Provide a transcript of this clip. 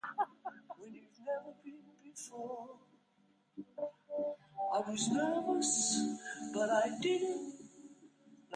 In "Sphenosucians", the quadrate head makes contact with the prootic and squamosal bones.